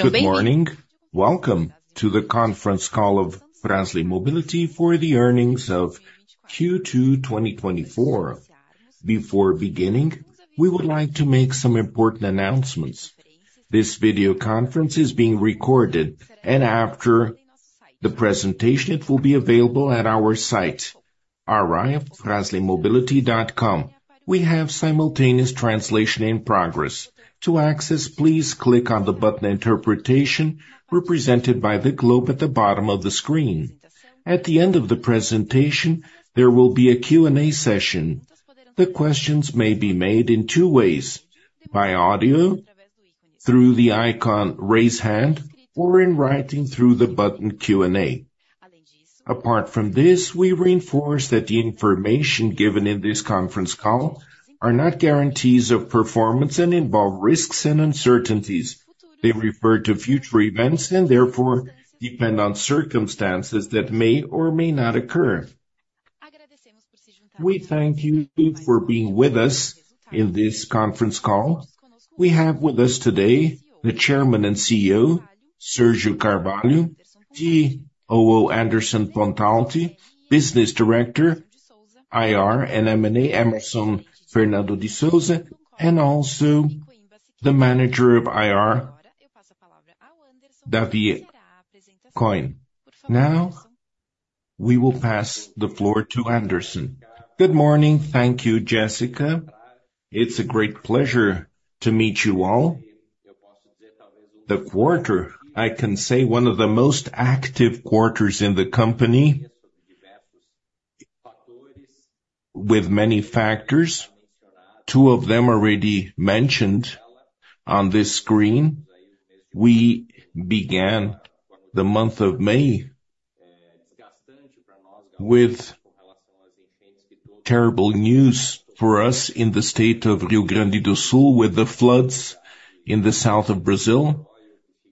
Good morning. Welcome to the conference call of Frasle Mobility for the earnings of Q2 2024. Before beginning, we would like to make some important announcements. This video conference is being recorded, and after the presentation, it will be available at our site, ri@fraslemobility.com. We have simultaneous translation in progress. To access, please click on the button Interpretation, represented by the globe at the bottom of the screen. At the end of the presentation, there will be a Q&A session. The questions may be made in two ways: by audio, through the icon Raise Hand, or in writing through the button Q&A. Apart from this, we reinforce that the information given in this conference call are not guarantees of performance and involve risks and uncertainties. They refer to future events and therefore depend on circumstances that may or may not occur. We thank you for being with us in this conference call. We have with us today the Chairman and CEO, Sérgio L. Carvalho, COO Anderson Pontalti, Business Director, IR, and M&A, Hemerson Fernando de Souza, and also the Manager of IR, Davi Cohen. Now, we will pass the floor to Anderson. Good morning. Thank you, Jessica. It's a great pleasure to meet you all. The quarter, I can say, one of the most active quarters in the company with many factors, two of them already mentioned on this screen. We began the month of May with terrible news for us in the state of Rio Grande do Sul, with the floods in the south of Brazil.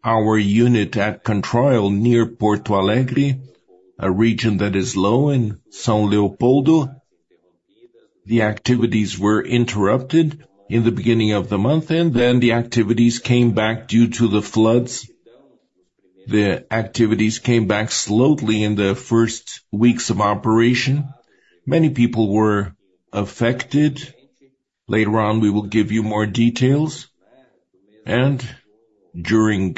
Our unit at Controil, near Porto Alegre, a region that is low in São Leopoldo. The activities were interrupted in the beginning of the month, and then the activities came back due to the floods. The activities came back slowly in the first weeks of operation. Many people were affected. Later on, we will give you more details. During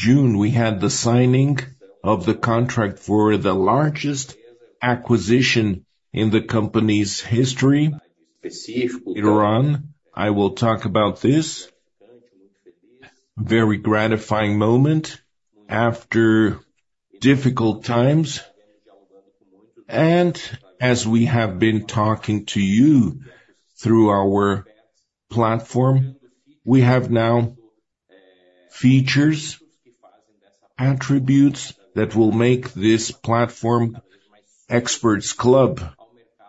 June, we had the signing of the contract for the largest acquisition in the company's history. Later on, I will talk about this very gratifying moment after difficult times. As we have been talking to you through our platform, we have now features, attributes that will make this platform, Experts Club,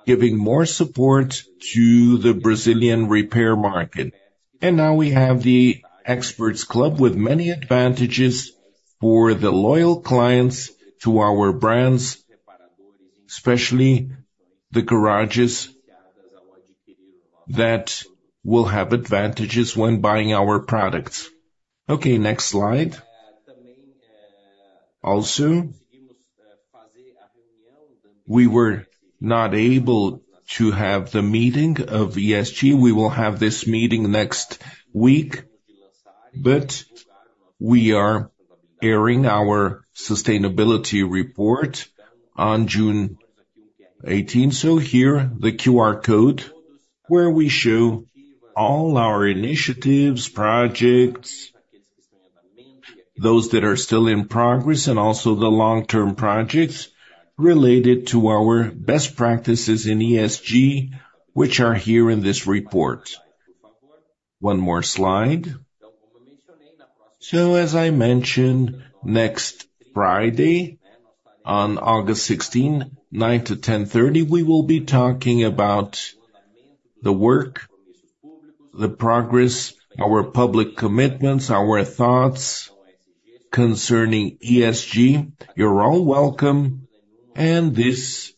giving more support to the Brazilian repair market. Now we have the Experts Club with many advantages for the loyal clients to our brands, especially the garages, that will have advantages when buying our products. Okay, next slide. Also, we were not able to have the meeting of ESG. We will have this meeting next week, but we are airing our sustainability report on June 18. Here, the QR code, where we show all our initiatives, projects, those that are still in progress, and also the long-term projects related to our best practices in ESG, which are here in this report. One more slide. So, as I mentioned, next Friday, on August 16, 9:00 A.M. to 10:30 A.M., we will be talking about the work, the progress, our public commitments, our thoughts concerning ESG. You're all welcome, and this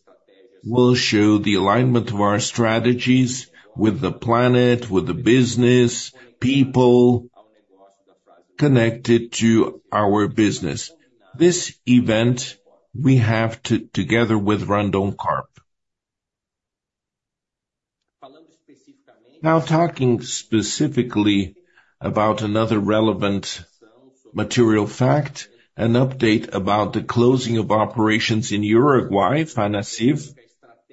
will show the alignment of our strategies with the planet, with the business, people connected to our business. This event, we have to together with Randoncorp. Now, talking specifically about another relevant Material Fact, an update about the closing of operations in Uruguay, Fanacif.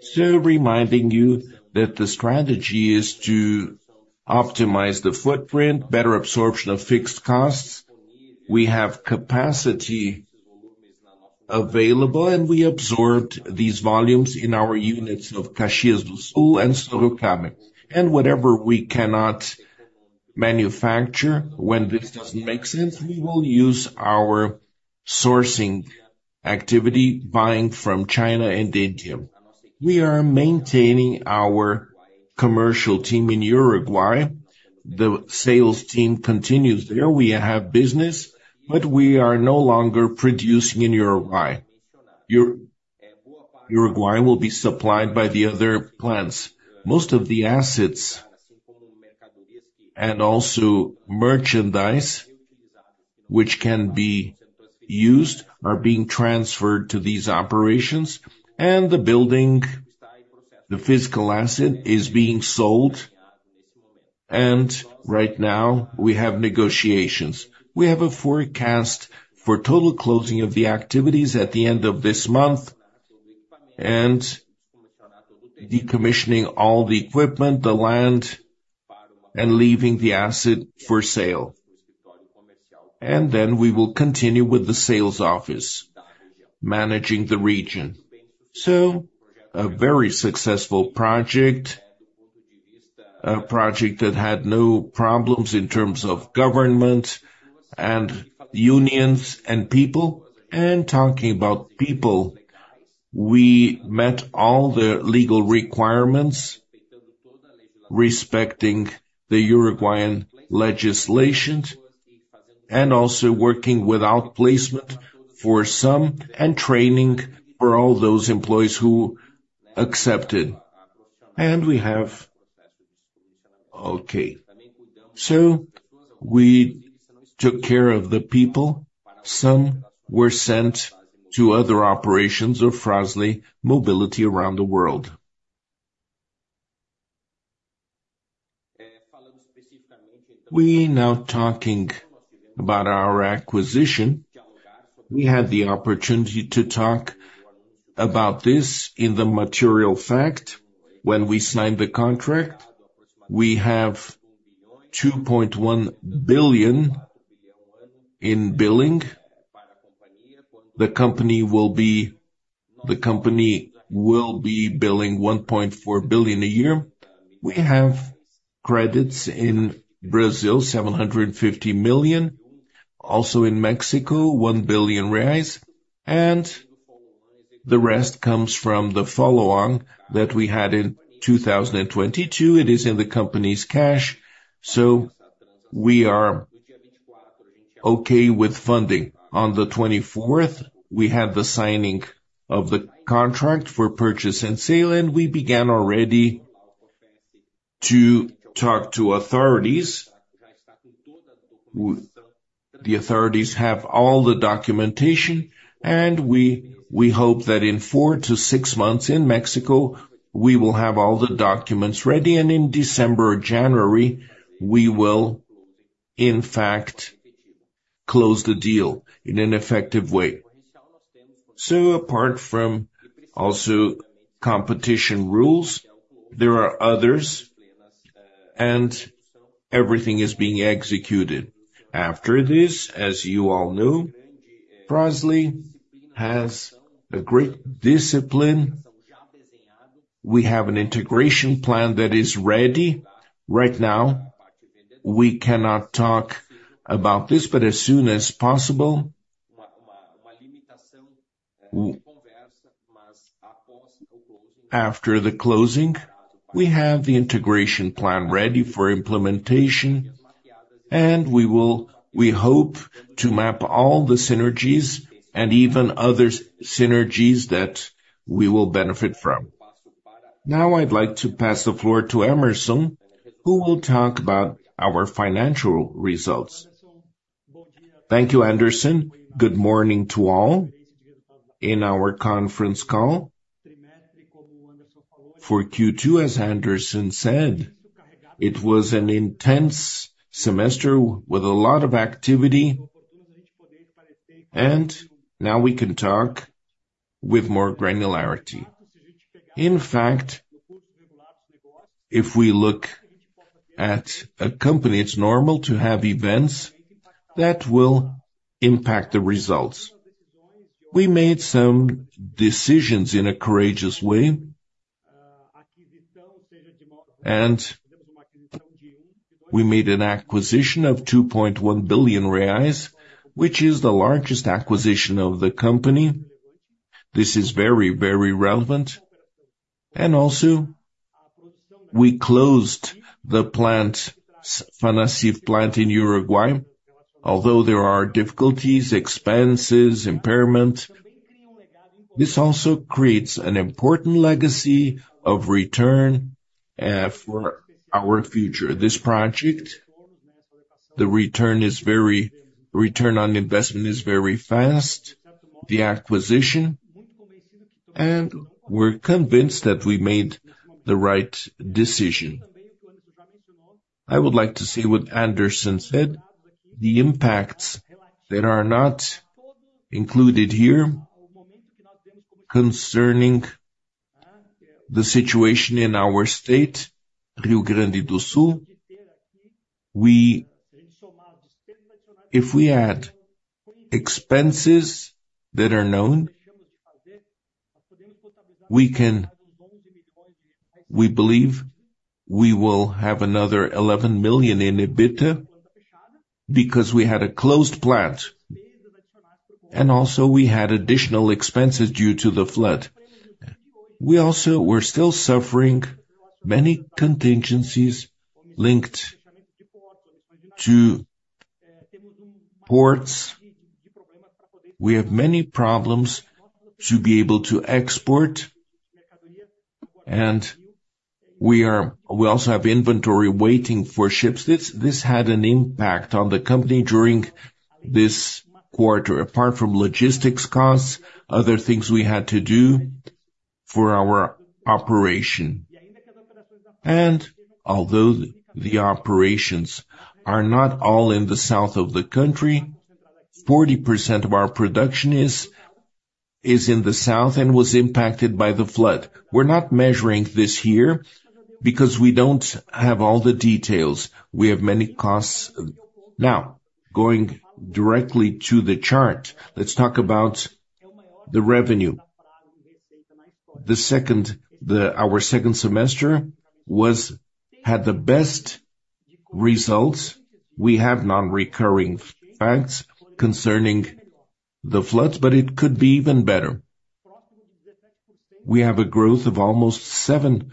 So reminding you that the strategy is to optimize the footprint, better absorption of fixed costs. We have capacity available, and we absorbed these volumes in our units of Caxias do Sul and Sorocaba. And whatever we cannot manufacture, when this doesn't make sense, we will use our sourcing activity, buying from China and India. We are maintaining our commercial team in Uruguay. The sales team continues there. We have business, but we are no longer producing in Uruguay. Uruguay will be supplied by the other plants. Most of the assets, and also merchandise, which can be used, are being transferred to these operations, and the building, the physical asset, is being sold. Right now, we have negotiations. We have a forecast for total closing of the activities at the end of this month, and decommissioning all the equipment, the land, and leaving the asset for sale. Then we will continue with the sales office, managing the region. So a very successful project, a project that had no problems in terms of government and unions and people. Talking about people, we met all the legal requirements, respecting the Uruguayan legislation, and also working without placement for some, and training for all those employees who accepted. And we have okay. We took care of the people. Some were sent to other operations of Frasle Mobility around the world. We now talking about our acquisition. We had the opportunity to talk about this in the Material Fact. When we signed the contract, we have 2.1 billion in billing. The company will be, the company will be billing 1.4 billion a year. We have credits in Brazil, 750 million, also in Mexico, 1 billion reais, and the rest comes from the Follow-on that we had in 2022. It is in the company's cash, so we are okay with funding. On the 24th, we had the signing of the contract for purchase and sale, and we began already to talk to authorities. The authorities have all the documentation, and we, we hope that in four to six months in Mexico, we will have all the documents ready, and in December or January, we will, in fact, close the deal in an effective way. So apart from also competition rules, there are others, and everything is being executed. After this, as you all know, Frasle has a great discipline. We have an integration plan that is ready. Right now, we cannot talk about this, but as soon as possible, after the closing, we have the integration plan ready for implementation, and we will, we hope to map all the synergies and even other synergies that we will benefit from. Now, I'd like to pass the floor to Hemerson, who will talk about our financial results. Thank you, Anderson. Good morning to all. In our conference call for Q2, as Anderson said, it was an intense semester with a lot of activity, and now we can talk with more granularity. In fact, if we look at a company, it's normal to have events that will impact the results. We made some decisions in a courageous way, and we made an acquisition of 2.1 billion reais, which is the largest acquisition of the company. This is very, very relevant. And also, we closed the plant, Fanacif plant in Uruguay, although there are difficulties, expenses, impairment. This also creates an important legacy of return for our future. This project, the return is very return on investment is very fast, the acquisition, and we're convinced that we made the right decision. I would like to say what Anderson said, the impacts that are not included here concerning the situation in our state, Rio Grande do Sul. If we add expenses that are known, we believe we will have another 11 million in EBITDA, because we had a closed plant, and also we had additional expenses due to the flood. We also were still suffering many contingencies linked to ports. We have many problems to be able to export, and we also have inventory waiting for ships. This had an impact on the company during this quarter. Apart from logistics costs, other things we had to do for our operation. Although the operations are not all in the south of the country, 40% of our production is in the south and was impacted by the flood. We're not measuring this year because we don't have all the details. We have many costs. Now, going directly to the chart, let's talk about the revenue. The second semester had the best results. We have non-recurring facts concerning the floods, but it could be even better. We have a growth of almost 7%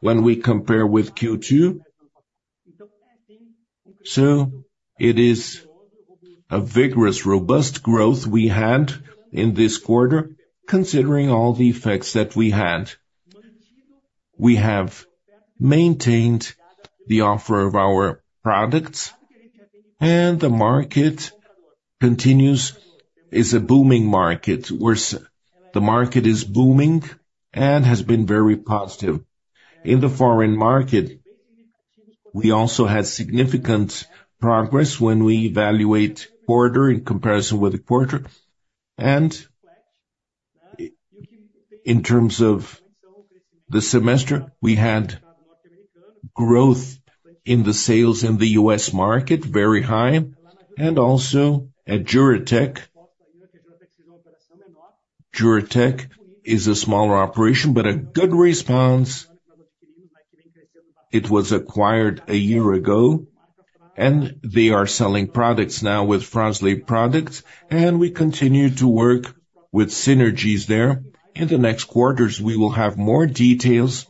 when we compare with Q2. So it is a vigorous, robust growth we had in this quarter, considering all the effects that we had. We have maintained the offer of our products, and the market continues, is a booming market. The market is booming and has been very positive. In the foreign market, we also had significant progress when we evaluate quarter in comparison with the quarter. In terms of the semester, we had growth in the sales in the U.S. market, very high, and also at Juratek. Juratek is a smaller operation, but a good response. It was acquired a year ago, and they are selling products now with Frasle products, and we continue to work with synergies there. In the next quarters, we will have more details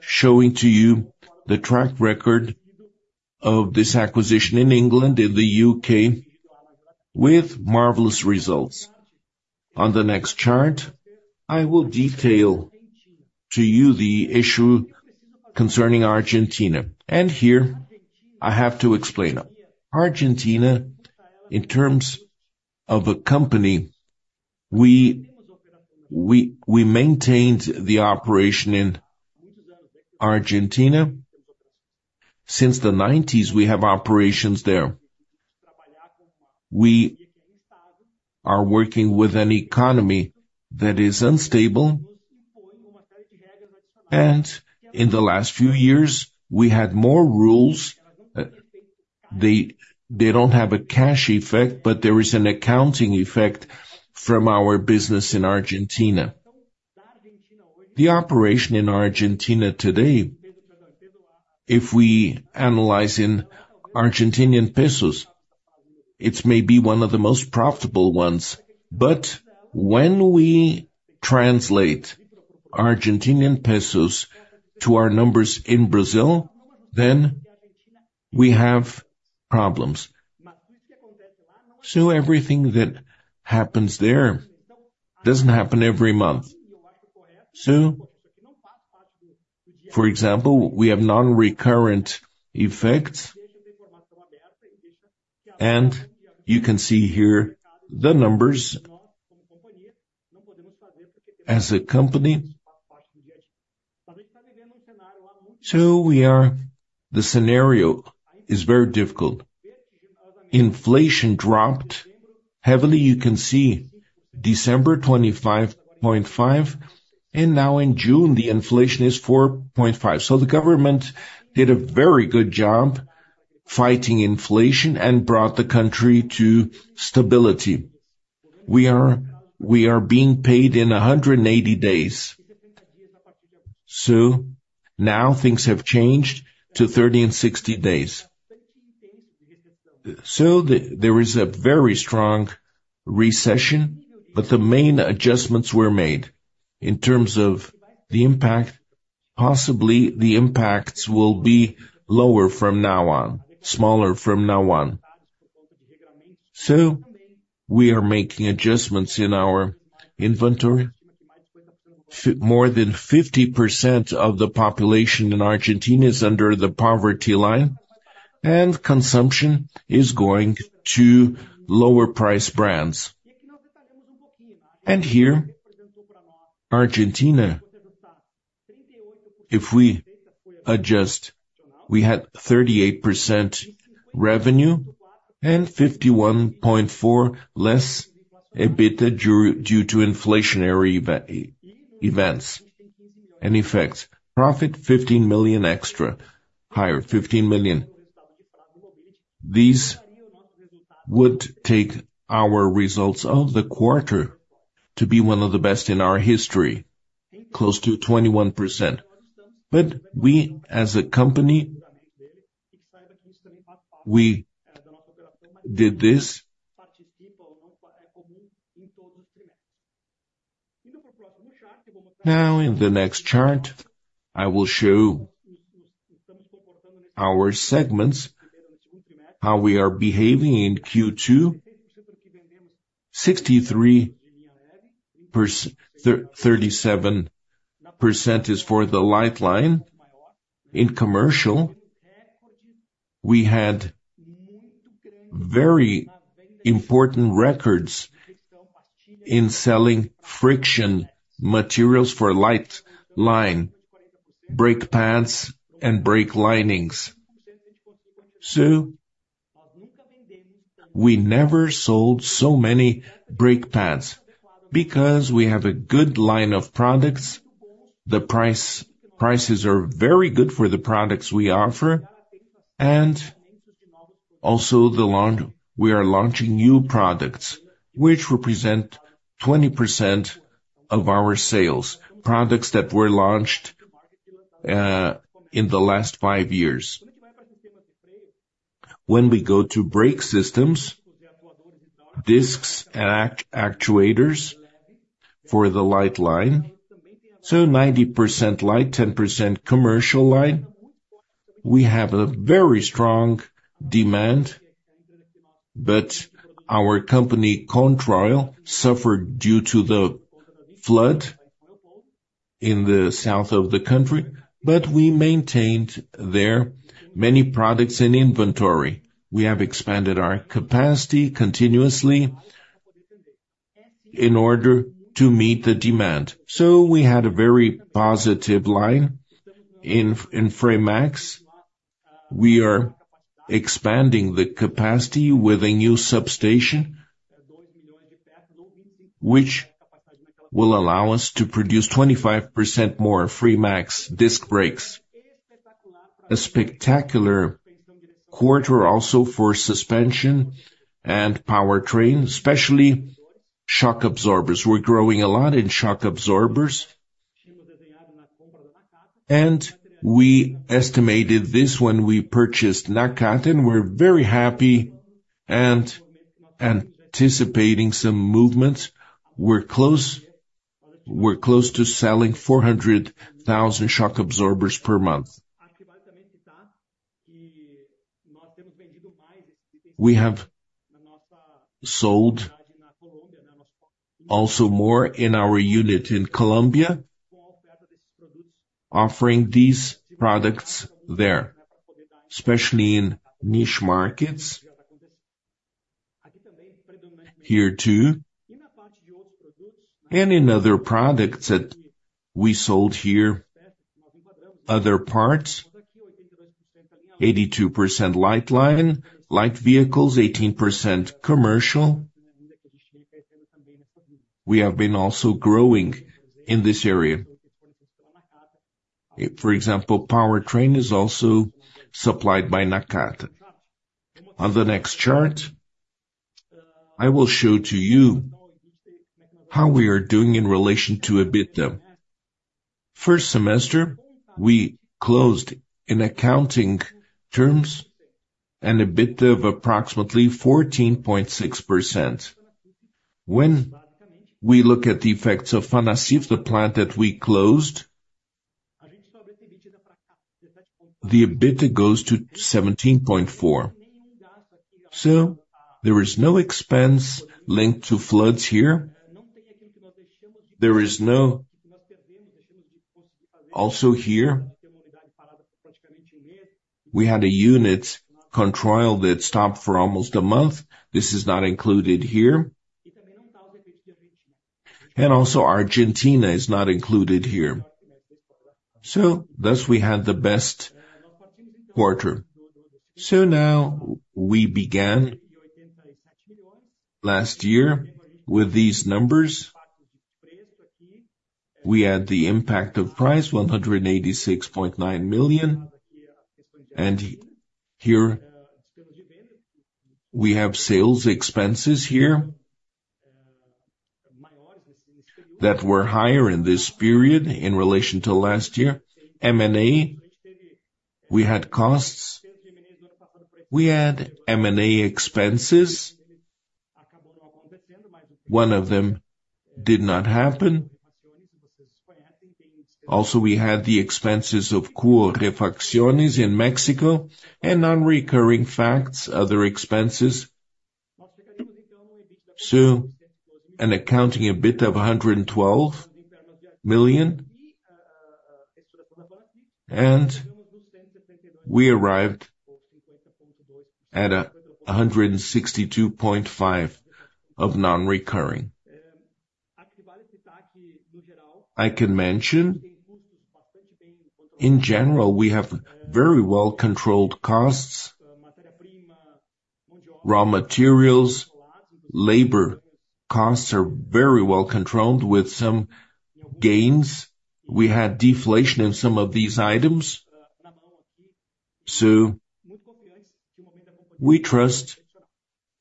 showing to you the track record of this acquisition in England, in the U.K., with marvelous results. On the next chart, I will detail to you the issue concerning Argentina, and here I have to explain. Argentina, in terms of a company, we maintained the operation in Argentina. Since the 1990s, we have operations there. We are working with an economy that is unstable, and in the last few years, we had more rules. They, they don't have a cash effect, but there is an accounting effect from our business in Argentina. The operation in Argentina today, if we analyze in Argentine pesos, it may be one of the most profitable ones, but when we translate Argentine pesos to our numbers in Brazil, then we have problems. So everything that happens there doesn't happen every month. So, for example, we have non-recurring effects. And you can see here the numbers as a company. So we are. The scenario is very difficult. Inflation dropped heavily. You can see December, 25.5%, and now in June, the inflation is 4.5%. So the government did a very good job fighting inflation and brought the country to stability. We are, we are being paid in 180 days. So now things have changed to 30 and 60 days. So, there is a very strong recession, but the main adjustments were made. In terms of the impact, possibly the impacts will be lower from now on, smaller from now on. So we are making adjustments in our inventory. More than 50% of the population in Argentina is under the poverty line, and consumption is going to lower price brands. And here, Argentina, if we adjust, we had 38% revenue and 51.4% less EBITDA due to inflationary events and effects. Profit, 15 million extra. Higher, 15 million. This would take our results of the quarter to be one of the best in our history, close to 21%. But we, as a company, we did this. Now in the next chart, I will show our segments, how we are behaving in Q2. 63%, 37% is for the light line. In commercial, we had very important records in selling friction materials for light line, brake pads, and brake linings. So we never sold so many brake pads, because we have a good line of products. The prices are very good for the products we offer, and also the launch, we are launching new products, which represent 20% of our sales, products that were launched in the last 5 years. When we go to brake systems, discs, and actuators for the light line, so 90% light, 10% commercial line, we have a very strong demand, but our company, Controil, suffered due to the flood in the south of the country, but we maintained there many products in inventory. We have expanded our capacity continuously in order to meet the demand. So we had a very positive line. In Fremax, we are expanding the capacity with a new substation, which will allow us to produce 25% more Fremax disc brakes. A spectacular quarter also for suspension and powertrain, especially shock absorbers. We're growing a lot in shock absorbers. And we estimated this when we purchased Nakata, and we're very happy and anticipating some movement. We're close, we're close to selling 400,000 shock absorbers per month. We have sold also more in our unit in Colombia, offering these products there, especially in niche markets. Here, too, and in other products that we sold here, other parts, 82% light line, light vehicles, 18% commercial. We have been also growing in this area. For example, powertrain is also supplied by Nakata. On the next chart, I will show to you how we are doing in relation to EBITDA. First semester, we closed in accounting terms an EBITDA of approximately 14.6%. When we look at the effects of Fanacif, the plant that we closed, the EBITDA goes to 17.4%. So there is no expense linked to floods here. There is no, also here, we had a unit, Controil, that stopped for almost a month. This is not included here. And also, Argentina is not included here. So thus, we had the best quarter. So now we began last year with these numbers. We had the impact of price, 186.9 million, and here, we have sales expenses here, that were higher in this period in relation to last year. M&A, we had costs. We had M&A expenses. One of them did not happen. Also, we had the expenses of KUO Refacciones in Mexico and non-recurring facts, other expenses. An accounting EBITDA of 112 million, and we arrived at BRL 162.5 million of non-recurring. I can mention, in general, we have very well-controlled costs. Raw materials, labor costs are very well controlled with some gains. We had deflation in some of these items, so we trust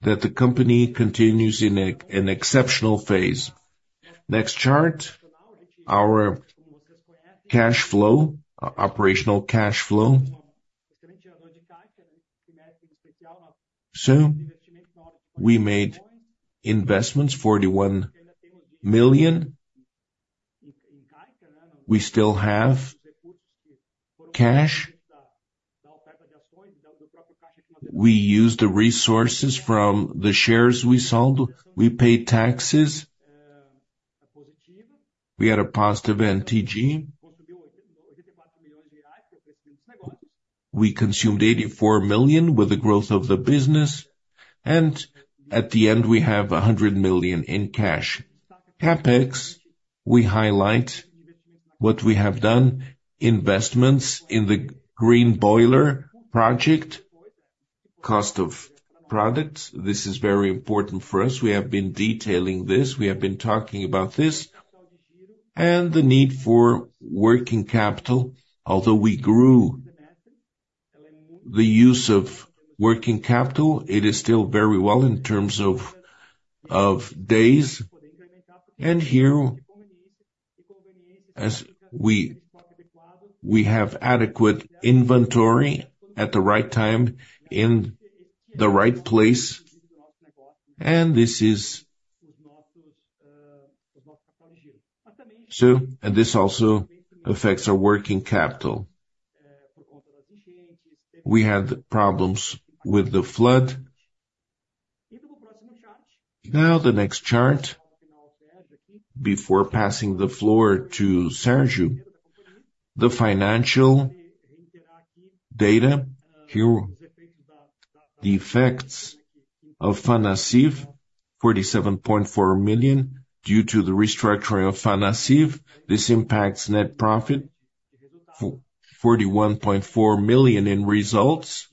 that the company continues in an exceptional phase. Next chart, our cash flow, operational cash flow. We made investments, 41 million. We still have cash. We used the resources from the shares we sold, we paid taxes, we had a positive NTG. We consumed 84 million with the growth of the business, and at the end, we have 100 million in cash. CapEx, we highlight what we have done, investments in the Green Boiler project, cost of products, this is very important for us. We have been detailing this, we have been talking about this, and the need for working capital, although we grew the use of working capital, it is still very well in terms of days. And here, as we have adequate inventory at the right time, in the right place, and this is. And this also affects our working capital. We had problems with the flood. Now, the next chart, before passing the floor to Sérgio, the financial data. Here, the effects of Fanacif, 47.4 million, due to the restructuring of Fanacif. This impacts net profit for BRL 41.4 million in results.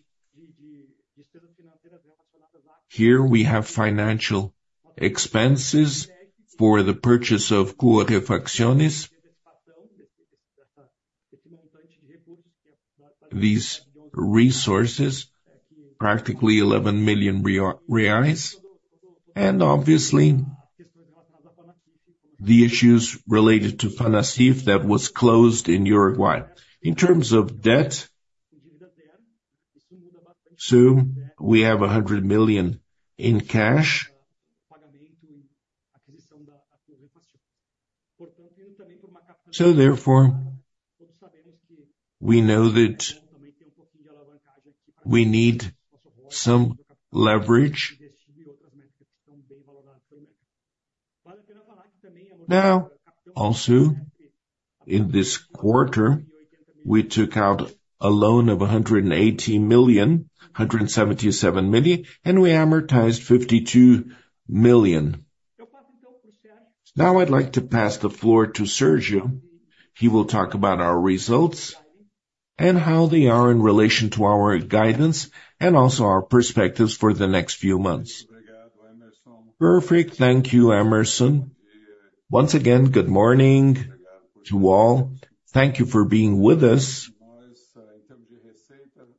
Here, we have financial expenses for the purchase of KUO Refacciones. These resources, practically 11 million reais, and obviously, the issues related to Fanacif that was closed in Uruguay. In terms of debt, we have 100 million in cash. So therefore, we know that we need some leverage. Now, also, in this quarter, we took out a loan of 180 million, 177 million, and we amortized 52 million. Now, I'd like to pass the floor to Sérgio. He will talk about our results, and how they are in relation to our guidance, and also our perspectives for the next few months. Perfect. Thank you, Hemerson. Once again, good morning to all. Thank you for being with us.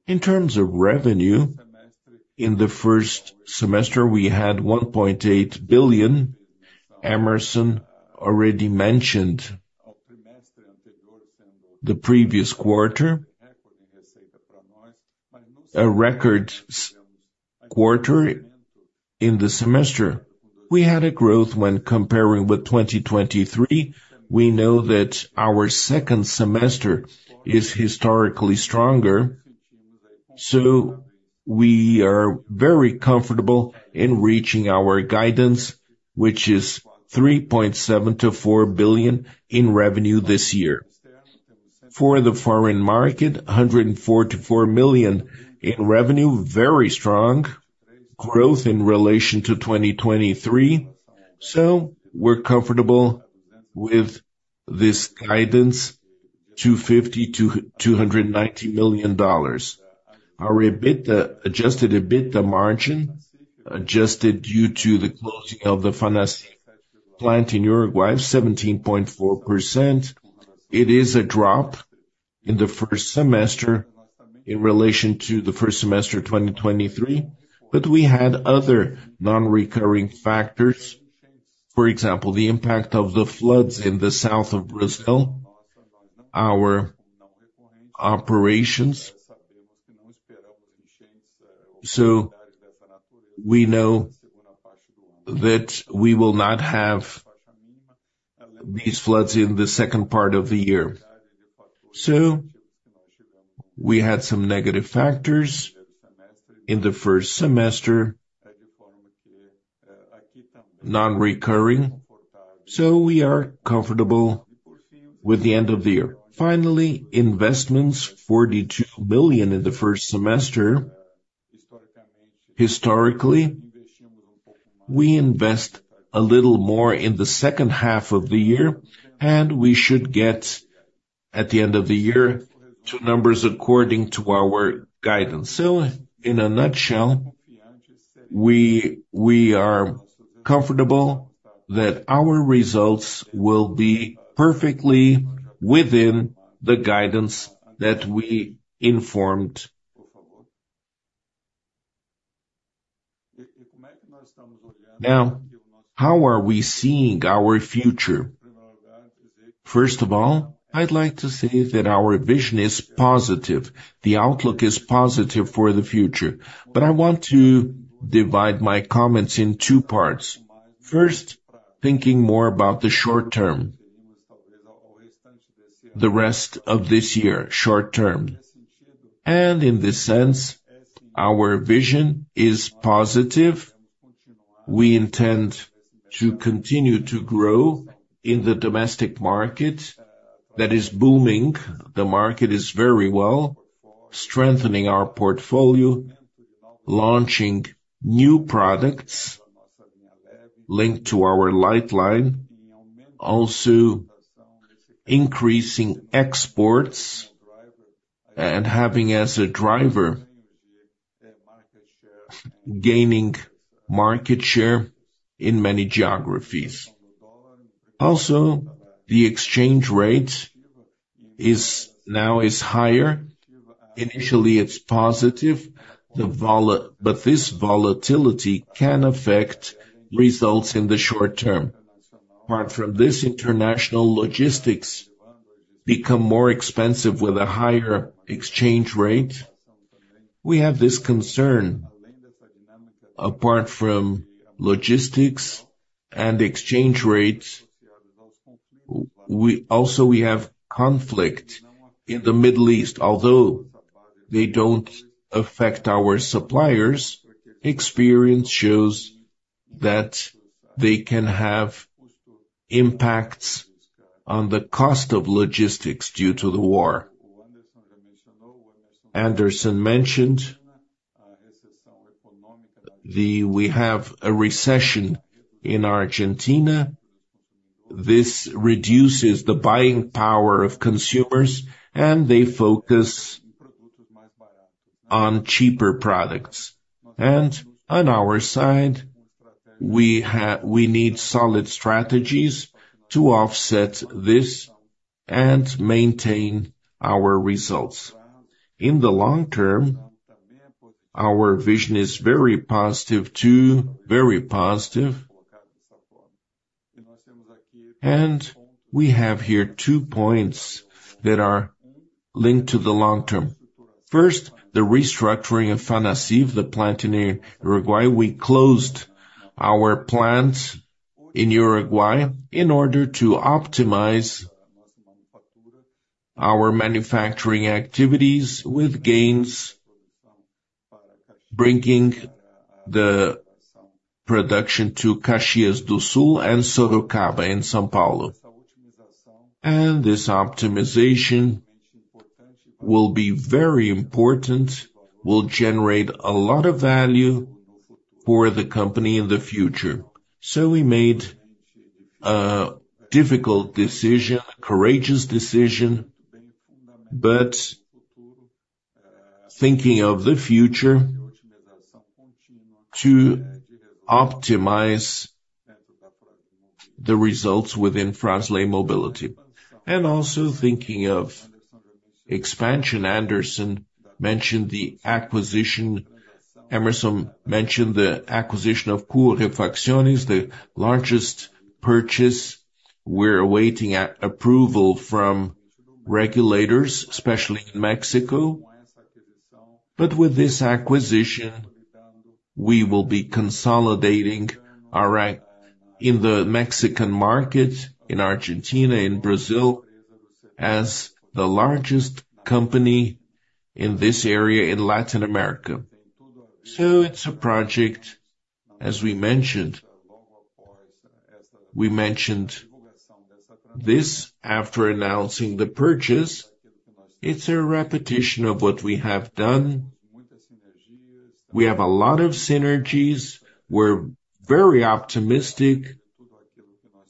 In terms of revenue, in the first semester, we had 1.8 billion. Hemerson already mentioned the previous quarter, a record quarter in the semester. We had a growth when comparing with 2023. We know that our second semester is historically stronger, so we are very comfortable in reaching our guidance, which is 3.7 billion-4 billion in revenue this year. For the foreign market, $144 million in revenue, very strong growth in relation to 2023. So we're comfortable with this guidance, $250 million-$290 million. Our EBITDA, adjusted EBITDA margin, adjusted due to the closing of the Fanacif plant in Uruguay, 17.4%. It is a drop in the first semester in relation to the first semester of 2023, but we had other non-recurring factors. For example, the impact of the floods in the south of Brazil, our operations, so we know that we will not have these floods in the second part of the year. So we had some negative factors in the first semester, non-recurring, so we are comfortable with the end of the year. Finally, investments, 42 billion in the first semester. Historically, we invest a little more in the second half of the year, and we should get, at the end of the year, to numbers according to our guidance. So in a nutshell, we, we are comfortable that our results will be perfectly within the guidance that we informed. Now, how are we seeing our future? First of all, I'd like to say that our vision is positive. The outlook is positive for the future, but I want to divide my comments in two parts. First, thinking more about the short term, the rest of this year, short-term. And in this sense, our vision is positive. We intend to continue to grow in the domestic market that is booming. The market is very well, strengthening our portfolio, launching new products linked to our light line, also increasing exports and having as a driver, gaining market share in -any geographies. Also, the exchange rate is now higher. Initially, it's positive, the volatility, but this volatility can affect results in the short-term. Apart from this, international logistics become more expensive with a higher exchange rate. We have this concern. Apart from logistics and exchange rates, we also have conflict in the Middle East. Although they don't affect our suppliers, experience shows that they can have impacts on the cost of logistics due to the war. Anderson mentioned, we have a recession in Argentina. This reduces the buying power of consumers, and they focus on cheaper products. And on our side, we need solid strategies to offset this and maintain our results. In the long term, our vision is very positive, too, very positive. And we have here two points that are linked to the long-term. First, the restructuring of Fanacif, the plant in Uruguay. We closed our plants in Uruguay in order to optimize our manufacturing activities with gains, bringing the production to Caxias do Sul and Sorocaba in São Paulo. This optimization will be very important, will generate a lot of value for the company in the future. We made a difficult decision, a courageous decision, but thinking of the future, to optimize the results within Frasle Mobility, and also thinking of expansion. Anderson mentioned the acquisition. Emerson mentioned the acquisition of KUO Refacciones, the largest purchase. We're awaiting approval from regulators, especially in Mexico. With this acquisition, we will be consolidating our role in the Mexican market, in Argentina, in Brazil, as the largest company in this area in Latin America. It's a project, as we mentioned. We mentioned this after announcing the purchase. It's a repetition of what we have done. We have a lot of synergies. We're very optimistic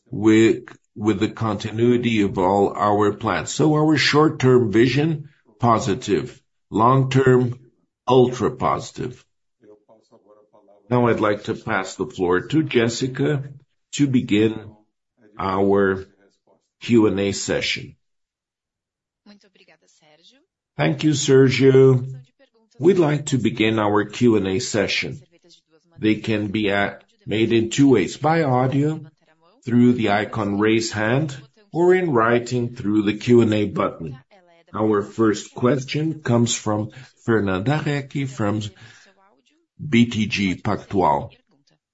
with, with the continuity of all our plans. So our short-term vision, positive. Long-term, ultra positive. Now, I'd like to pass the floor to Jessica to begin our Q&A session. Thank you, Sérgio. We'd like to begin our Q&A session. They can be made in two ways: by audio, through the icon Raise Hand, or in writing through the Q&A button. Our first question comes from Fernanda Recchia, from BTG Pactual.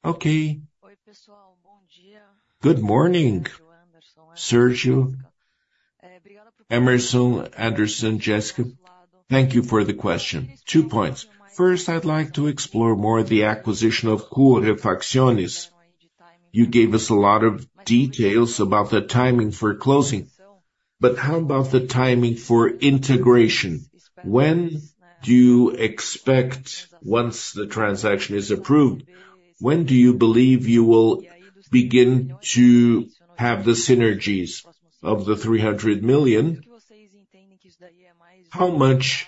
Okay. Good morning, Sérgio, Hemerson, Anderson, Jessica. Thank you for the question. Two points. First, I'd like to explore more the acquisition of KUO Refacciones. You gave us a lot of details about the timing for closing, but how about the timing for integration? When do you expect, once the transaction is approved, when do you believe you will begin to have the synergies of 300 million? How much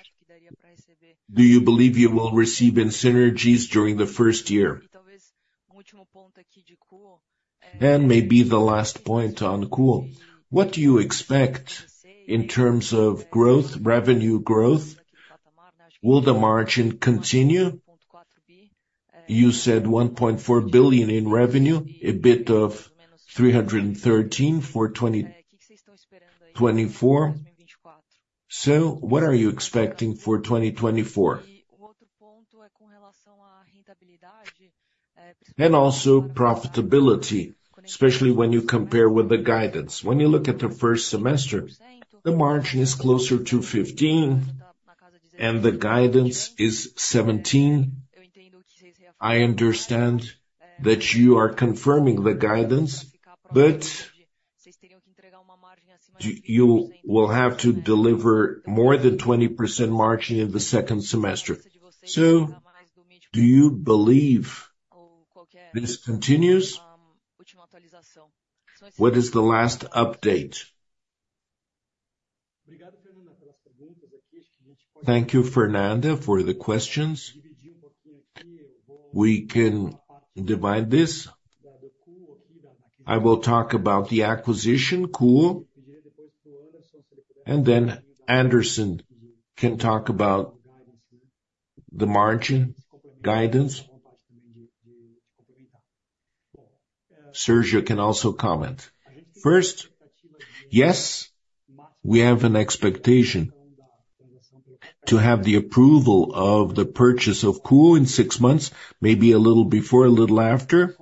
do you believe you will receive in synergies during the first year? And maybe the last point on KUO, what do you expect in terms of growth, revenue growth? Will the margin continue? You said 1.4 billion in revenue, EBITDA of 313 million for 2024. So what are you expecting for 2024? And also profitability, especially when you compare with the guidance. When you look at the first semester, the margin is closer to 15%, and the guidance is 17%. I understand that you are confirming the guidance, but do you will have to deliver more than 20% margin in the second semester. So do you believe this continues? What is the last update? Thank you, Fernanda, for the questions. We can divide this. I will talk about the acquisition, KUO, and then Anderson can talk about the margin guidance. Sergio can also comment. First, yes, we have an expectation to have the approval of the purchase of KUO in six months, maybe a little before, a little after.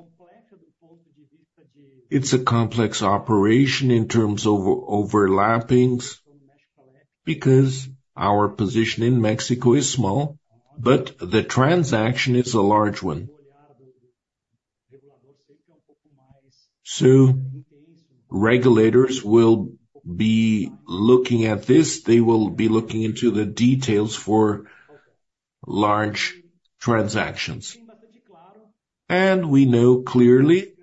It's a complex operation in terms of overlaps, because our position in Mexico is small, but the transaction is a large one. So regulators will be looking at this, they will be looking into the details for large transactions. And we know clearly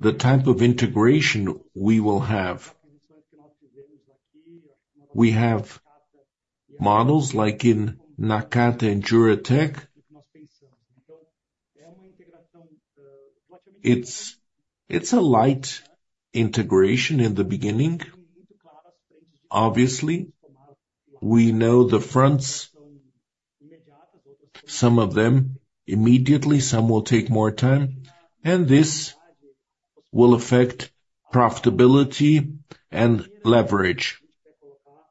the type of integration we will have. We have models like in Nakata and Juratek. It's a light integration in the beginning. Obviously, we know the fronts, some of them immediately, some will take more time, and this will affect profitability and leverage.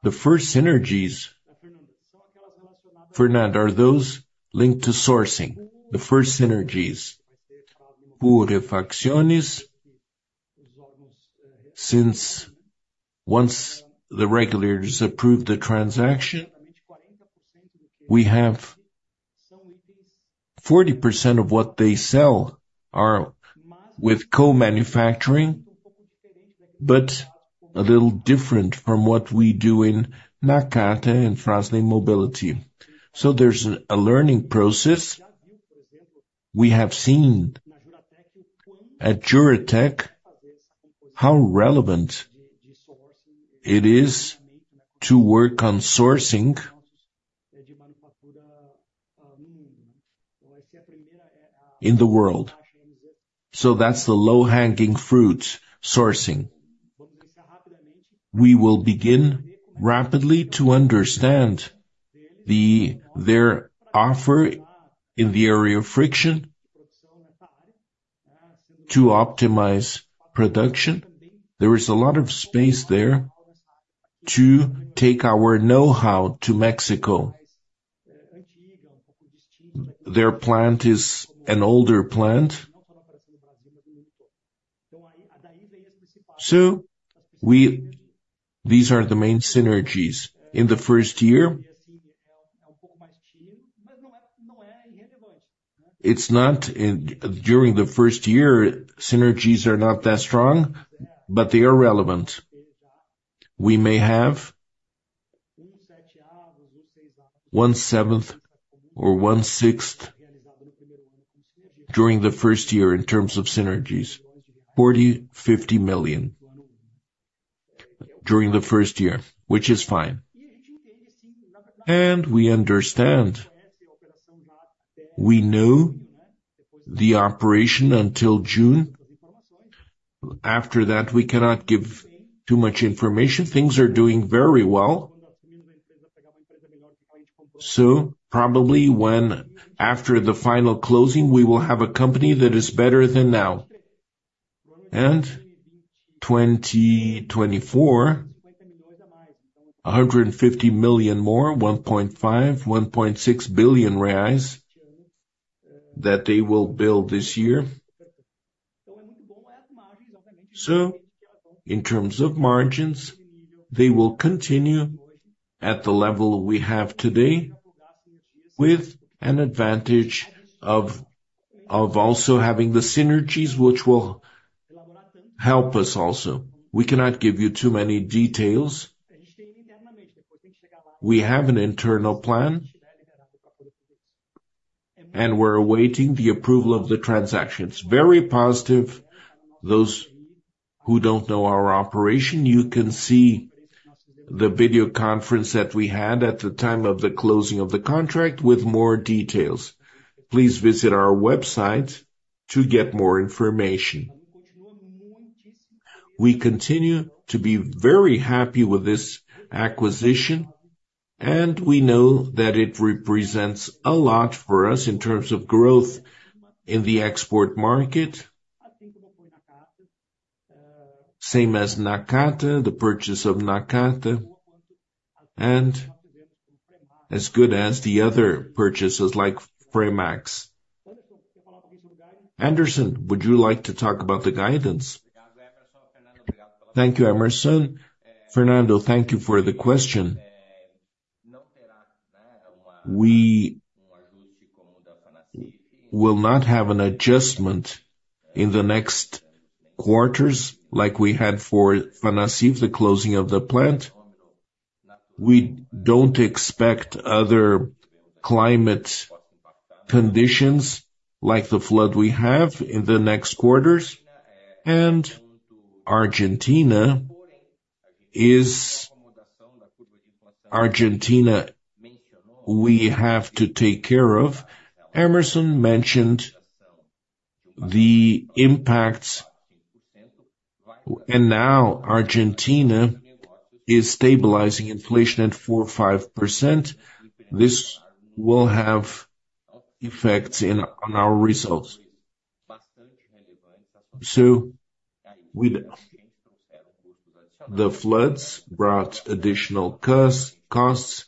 The first synergies, Fernanda, are those linked to sourcing. The first synergies, KUO Refacciones. Since once the regulators approve the transaction, we have 40% of what they sell are with co-manufacturing, but a little different from what we do in Nakata and Frasle Mobility. So there's a learning process. We have seen at Juratek, how relevant it is to work on sourcing in the world. So that's the low-hanging fruit, sourcing. We will begin rapidly to understand their offer in the area of friction to optimize production. There is a lot of space there to take our know-how to Mexico. Their plant is an older plant. So these are the main synergies. During the first year, synergies are not that strong, but they are relevant. We may have 1/7 or 1/6 during the first year in terms of synergies, 40 million-50 million during the first year, which is fine. We understand, we know the operation until June. After that, we cannot give too much information. Things are doing very well. Probably when, after the final closing, we will have a company that is better than now. And 2024, 150 million more, 1.5 billion- 1.6 billion reais, that they will build this year. In terms of margins, they will continue at the level we have today, with an advantage of also having the synergies, which will help us also. We cannot give you too many details. We have an internal plan, and we're awaiting the approval of the transactions. Very positive. Those who don't know our operation, you can see the video conference that we had at the time of the closing of the contract with more details. Please visit our website to get more information. We continue to be very happy with this acquisition, and we know that it represents a lot for us in terms of growth in the export market. Same as Nakata, the purchase of Nakata, and as good as the other purchases, like Fremax. Anderson, would you like to talk about the guidance? Thank you, Hemerson. Fernando, thank you for the question. We will not have an adjustment in the next quarters like we had for Fanacif, the closing of the plant. We don't expect other climate conditions like the flood we have in the next quarters, and Argentina, we have to take care of. Hemerson mentioned the impacts, and now Argentina is stabilizing inflation at 4%-5%. This will have effects in, on our results. So the floods brought additional cost, costs,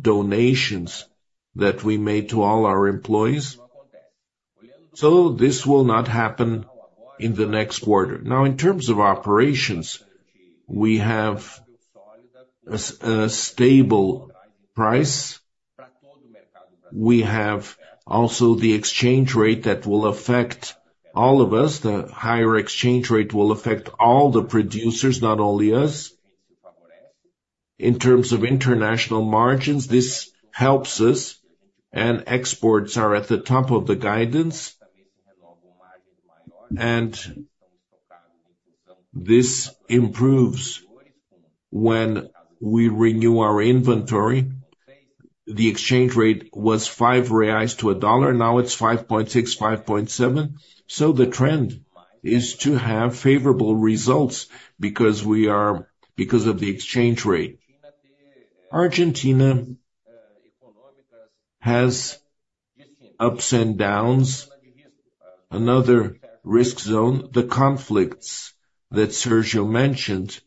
donations that we made to all our employees, so this will not happen in the next quarter. Now, in terms of operations, we have a stable price. We have also the exchange rate that will affect all of us. The higher exchange rate will affect all the producers, not only us. In terms of international margins, this helps us, and exports are at the top of the guidance, and this improves when we renew our inventory. The exchange rate was 5 reais to a dollar, now it's 5.6-5.7. So the trend is to have favorable results because we are because of the exchange rate. Argentina has ups and downs. Another risk zone, the conflicts that Sérgio mentioned,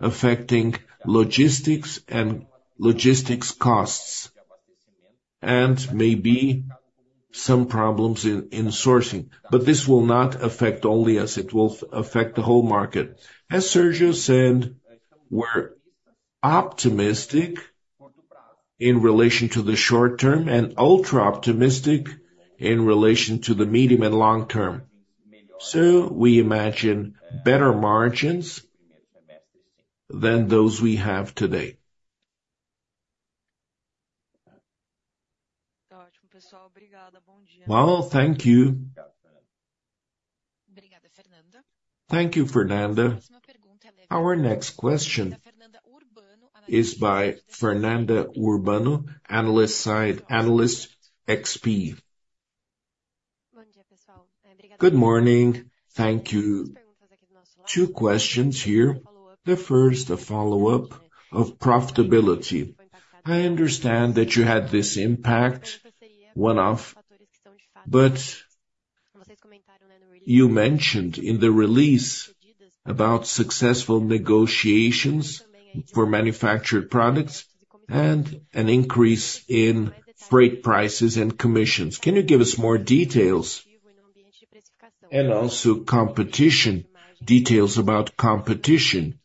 affecting logistics and logistics costs, and maybe some problems in, in sourcing. But this will not affect only us, it will affect the whole market. As Sérgio said, we're optimistic in relation to the short term and ultra-optimistic in relation to the medium and long term. So we imagine better margins than those we have today. Well, thank you. Thank you, Fernanda. Our next question is by Fernanda Urbano, analyst, XP. Good morning. Thank you. Two questions here. The first, a follow-up of profitability. I understand that you had this impact, one-off, but you mentioned in the release about successful negotiations for manufactured products and an increase in freight prices and commissions. Can you give us more details? And also competition, details about competition.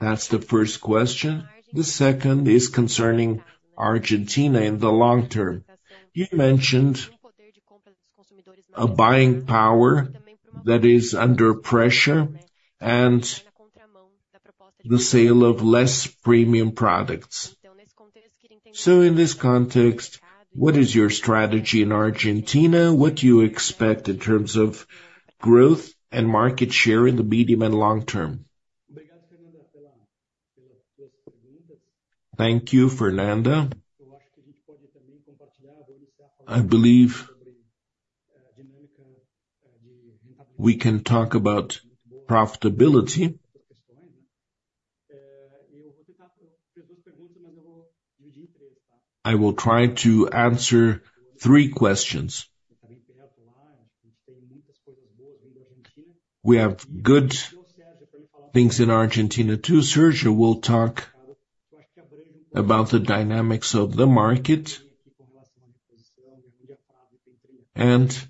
That's the first question. The second is concerning Argentina in the long-term. You mentioned a buying power that is under pressure and the sale of less premium products. So in this context, what is your strategy in Argentina? What do you expect in terms of growth and market share in the medium and long-term? Thank you, Fernanda. I believe we can talk about profitability. I will try to answer three questions. We have good things in Argentina, too. Sérgio will talk about the dynamics of the market, and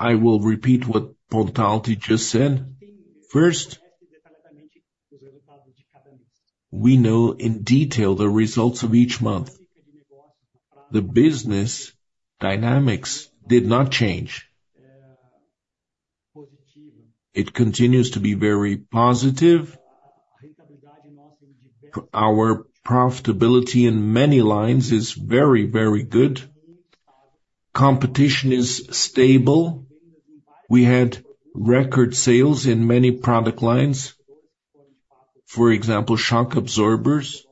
I will repeat what Pontalti just said. First, we know in detail the results of each month. The business dynamics did not change. It continues to be very positive. Our profitability in many lines is very, very good. Competition is stable. We had record sales in many product lines, for example, shock absorbers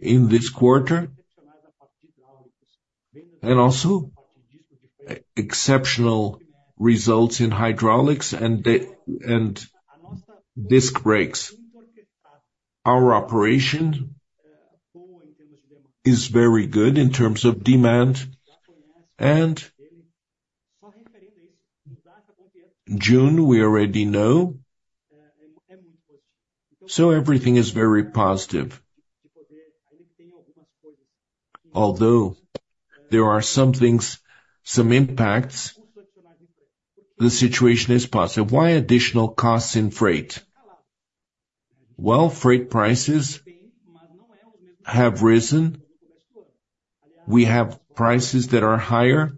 in this quarter, and also exceptional results in hydraulics and disc brakes. Our operation is very good in terms of demand, and June, we already know. So everything is very positive. Although there are some things, some impacts, the situation is positive. Why additional costs in freight? Well, freight prices have risen. We have prices that are higher.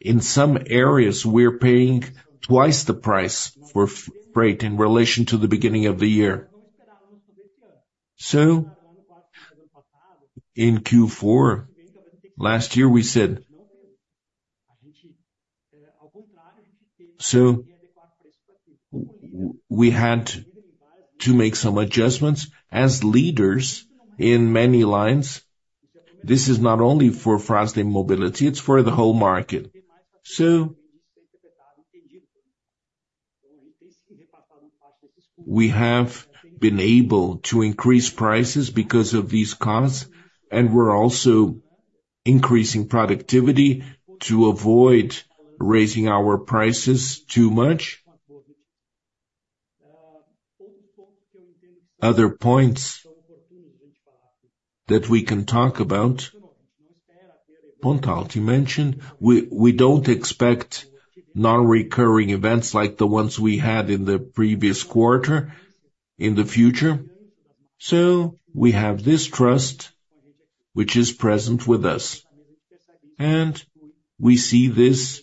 In some areas, we're paying twice the price for freight in relation to the beginning of the year. So in Q4 last year, we said. So we had to make some adjustments as leaders in many lines. This is not only for Frasle Mobility, it's for the whole market. So we have been able to increase prices because of these costs, and we're also increasing productivity to avoid raising our prices too much. Other points that we can talk about, Pontalti mentioned, we don't expect non-recurring events like the ones we had in the previous quarter, in the future. So we have this trust, which is present with us, and we see this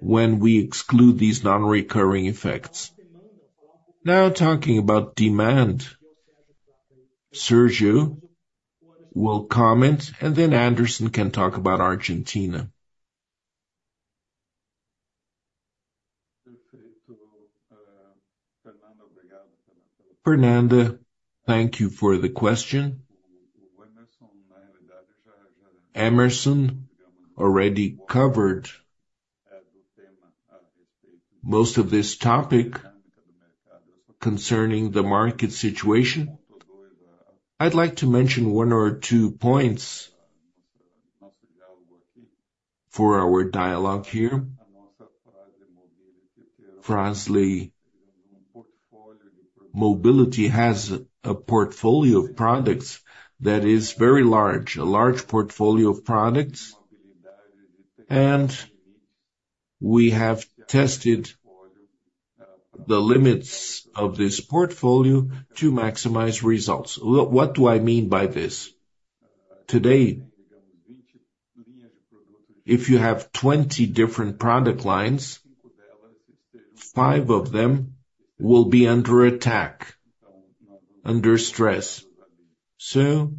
when we exclude these non-recurring effects. Now, talking about demand, Sérgio will comment, and then Anderson can talk about Argentina. Fernanda, thank you for the question. Hemerson already covered most of this topic concerning the market situation. I'd like to mention one or two points for our dialogue here. Frasle Mobility has a portfolio of products that is very large, a large portfolio of products, and we have tested the limits of this portfolio to maximize results. What do I mean by this? Today, if you have 20 different product lines, five of them will be under attack, under stress. So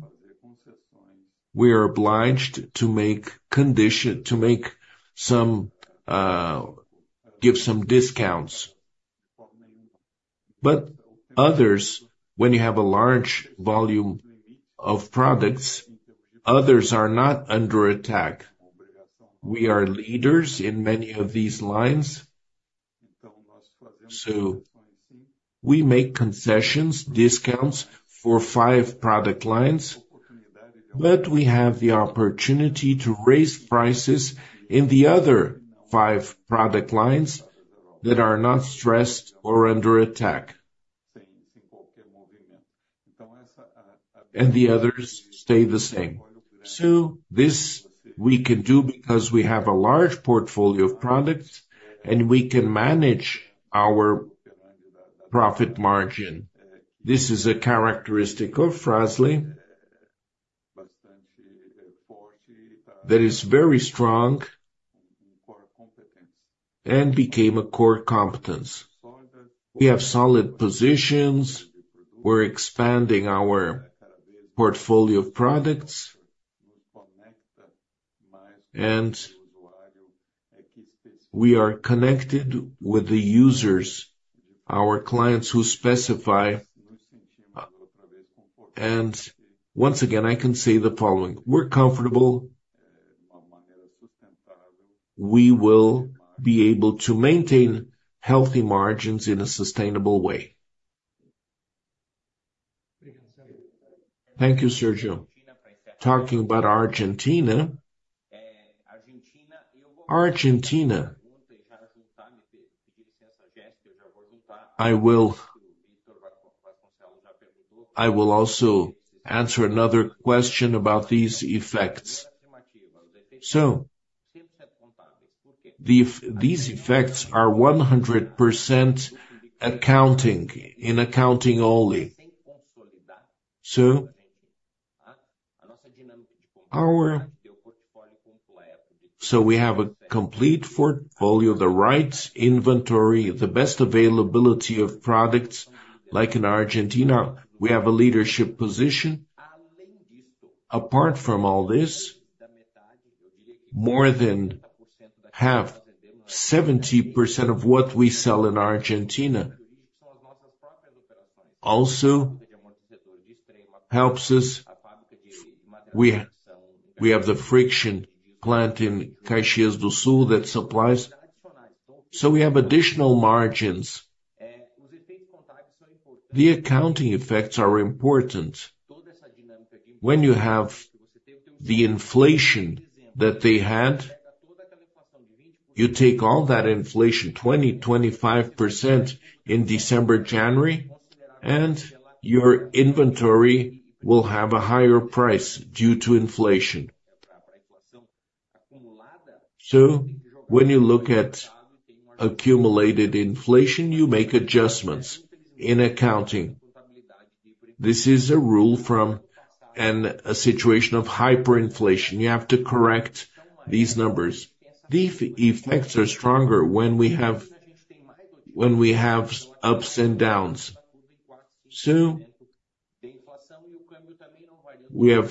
we are obliged to make condition, to make some, give some discounts. But others, when you have a large volume of products, others are not under attack. We are leaders in many of these lines, so we make concessions, discounts for five product lines, but we have the opportunity to raise prices in the other five product lines that are not stressed or under attack. And the others stay the same. So this we can do because we have a large portfolio of products, and we can manage our profit margin. This is a characteristic of Frasle that is very strong and became a core competence. We have solid positions. We're expanding our portfolio of products, and we are connected with the users, our clients who specify. And once again, I can say the following: we're comfortable. We will be able to maintain healthy margins in a sustainable way. Thank you, Sérgio. Talking about Argentina. Argentina, I will also answer another question about these effects. These effects are 100% accounting, in accounting only. We have a complete portfolio, the rights, inventory, the best availability of products, like in Argentina. We have a leadership position. Apart from all this, more than half, 70% of what we sell in Argentina also helps us. We have the friction plant in Caxias do Sul that supplies, so we have additional margins. The accounting effects are important. When you have the inflation that they had, you take all that inflation, 20%-25% in December, January, and your inventory will have a higher price due to inflation. So when you look at accumulated inflation, you make adjustments in accounting. This is a rule from a situation of hyperinflation. You have to correct these numbers. The effects are stronger when we have ups and downs. So we have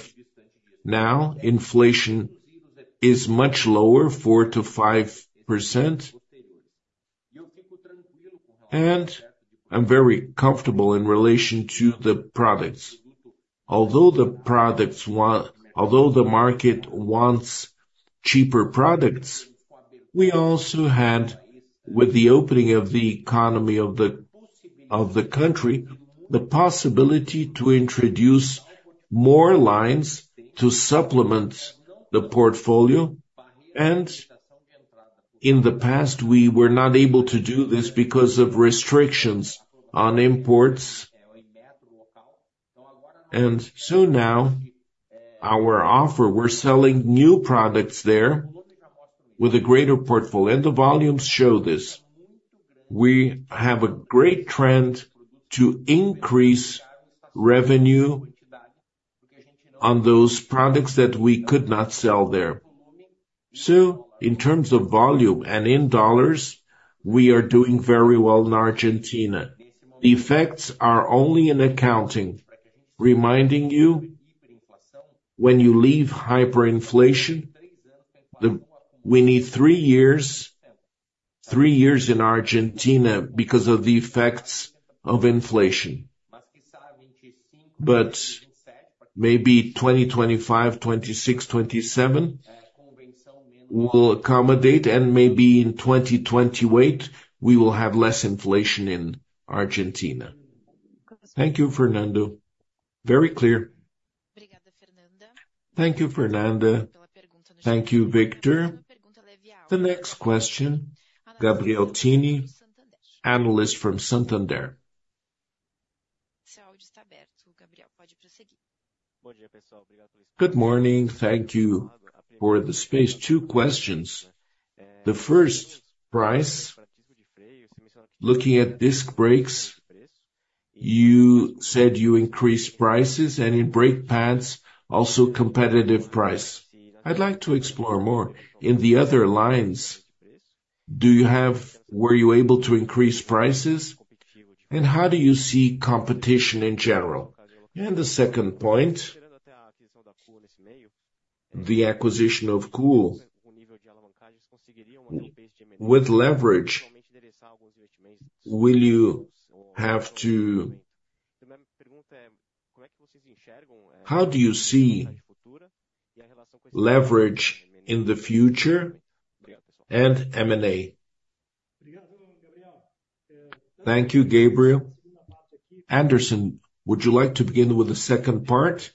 now, inflation is much lower, 4%-5%, and I'm very comfortable in relation to the products. Although the market wants cheaper products, we also had, with the opening of the economy of the country, the possibility to introduce more lines to supplement the portfolio, and in the past, we were not able to do this because of restrictions on imports. So now, our offer, we're selling new products there with a greater portfolio, and the volumes show this. We have a great trend to increase revenue on those products that we could not sell there. So in terms of volume and in U.S. dollars, we are doing very well in Argentina. The effects are only in accounting. Reminding you, when you leave hyperinflation, we need three years, three years in Argentina because of the effects of inflation. But maybe 2025, 2026, 2027, we'll accommodate, and maybe in 2028, we will have less inflation in Argentina. Thank you, Fernando. Very clear. Thank you, Fernanda. Thank you, Victor. The next question, Gabriel Tinem, analyst from Santander. Good morning. Thank you for the space. Two questions. The first, price. Looking at disc brakes, you said you increased prices, and in brake pads, also competitive price. I'd like to explore more. In the other lines, do you have, were you able to increase prices? And how do you see competition in general? And the second point, the acquisition of KUO. With leverage, will you have to, how do you see leverage in the future and M&A? Thank you, Gabriel. Anderson, would you like to begin with the second part,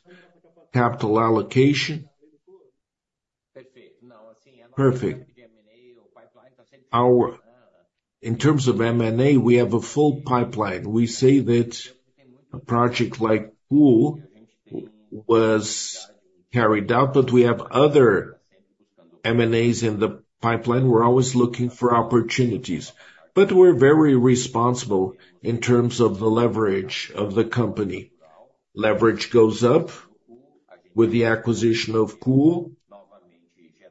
capital allocation? Perfect. Our, in terms of M&A, we have a full pipeline. We say that a project like KUO was carried out, but we have other M&As in the pipeline. We're always looking for opportunities, but we're very responsible in terms of the leverage of the company. Leverage goes up. With the acquisition of KUO,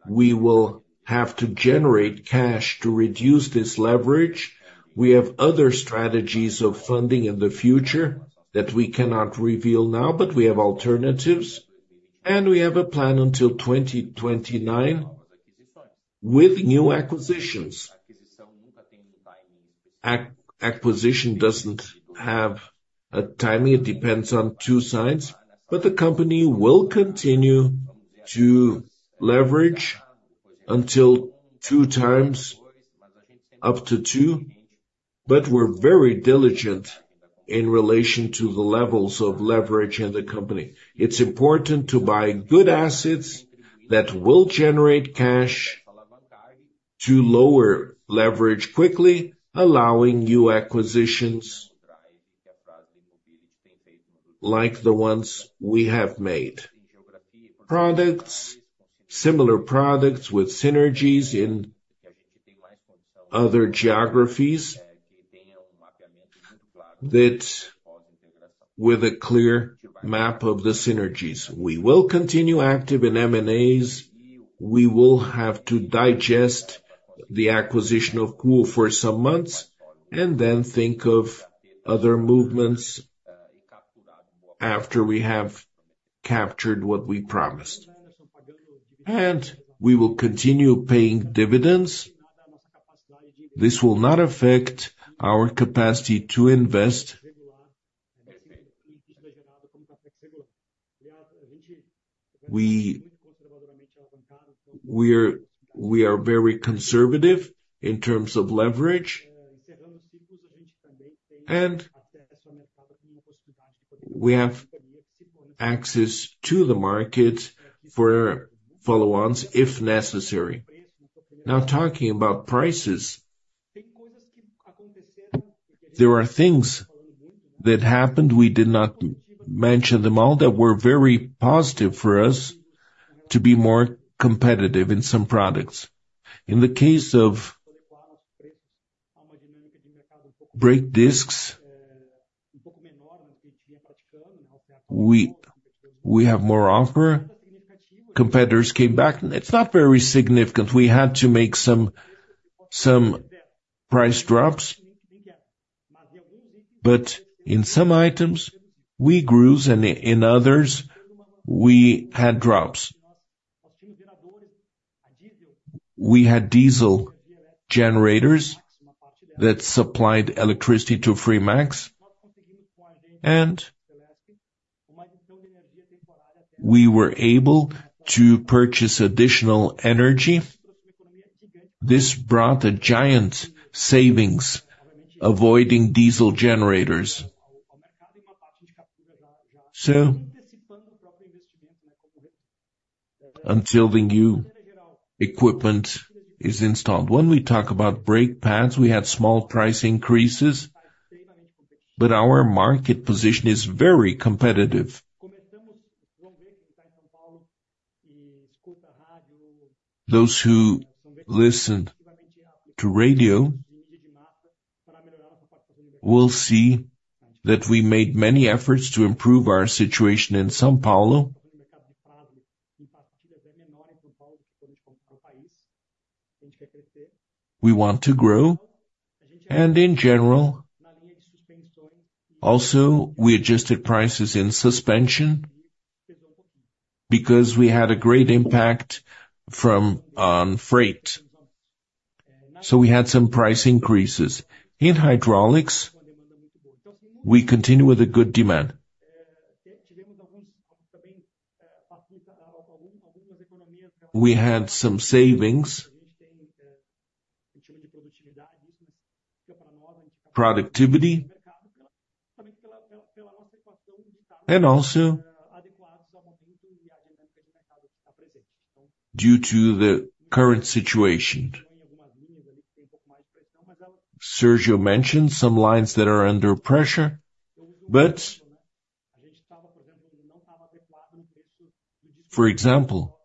we will have to generate cash to reduce this leverage. We have other strategies of funding in the future that we cannot reveal now, but we have alternatives, and we have a plan until 2029 with new acquisitions. Acquisition doesn't have a timing, it depends on two sides, but the company will continue to leverage until two times, up to two, but we're very diligent in relation to the levels of leverage in the company. It's important to buy good assets that will generate cash to lower leverage quickly, allowing new acquisitions like the ones we have made. Products, similar products with synergies in other geographies, that with a clear map of the synergies, we will continue active in M&A. We will have to digest the acquisition of KUO for some months, and then think of other movement, after we have captured what we promised, and we will continue paying dividends. This will not affect our capacity to invest. We are very conservative in terms of leverage, and we have access to the market for follow-ons, if necessary. Now, talking about prices, there are things that happened, we did not mention them all, that were very positive for us to be more competitive in some products. In the case of brake discs, we have more offer. Competitors came back, and it's not very significant. We had to make some price drops, but in some items, we grew, and in others, we had drops. We had diesel generators that supplied electricity to Fremax, and we were able to purchase additional energy. This brought a giant savings, avoiding diesel generators. So until the new equipment is installed. When we talk about brake pads, we had small price increases, but our market position is very competitive. Those who listen to radio will see that we made many efforts to improve our situation in São Paulo. We want to grow, and in general, also, we adjusted prices in suspension because we had a great impact from on freight, so we had some price increases. In hydraulics, we continue with a good demand. We had some savings, productivity, and also due to the current situation. Sérgio mentioned some lines that are under pressure, but, for example,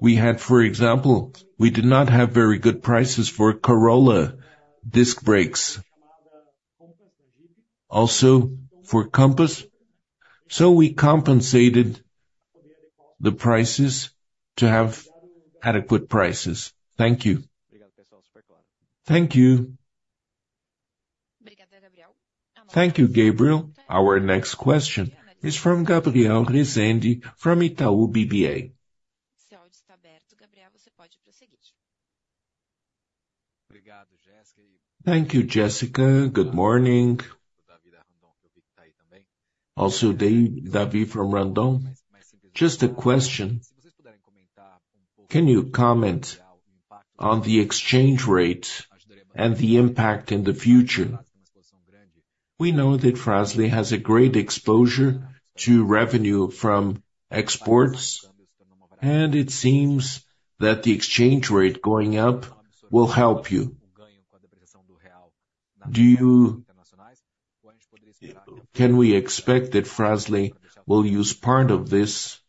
we had, for example, we did not have very good prices for Corolla disc brakes, also for Compass, so we compensated the prices to have adequate prices. Thank you. Thank you. Thank you, Gabriel. Our next question is from Gabriel Rezende, from Itaú BBA. Thank you, Jessica. Good morning. Also, Davi from Randon. Just a question, can you comment on the exchange rate and the impact in the future? We know that Frasle has a great exposure to revenue from exports, and it seems that the exchange rate going up will help you. Can we expect that Frasle will use part of this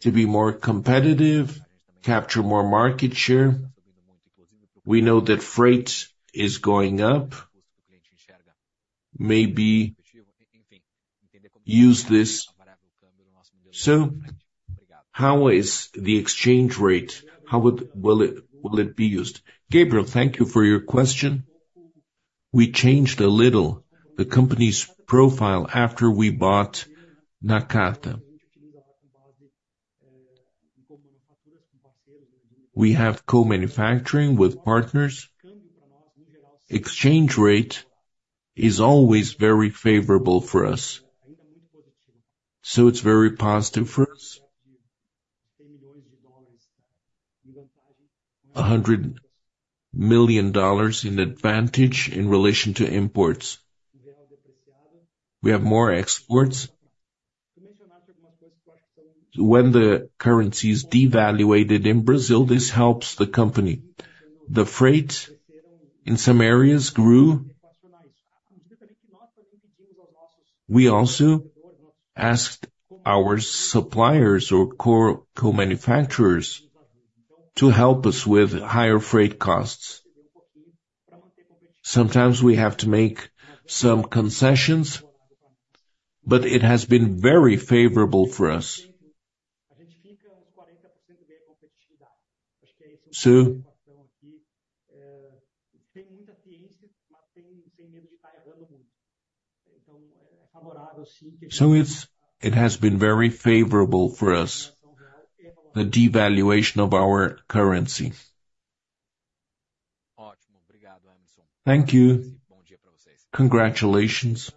to be more competitive, capture more market share? We know that freight is going up. Maybe use this. So how is the exchange rate? How will it be used? Gabriel, thank you for your question. We changed a little the company's profile after we bought Nakata. We have co-manufacturing with partners. Exchange rate is always very favorable for us, so it's very positive for us. $100 million in advantage in relation to imports. We have more exports. When the currency is devalued in Brazil, this helps the company. The freight in some areas grew. We also asked our suppliers or co-manufacturers to help us with higher freight costs. Sometimes we have to make some concessions, but it has been very favorable for us. So it's been very favorable for us, the devaluation of our currency. Thank you. Congratulations.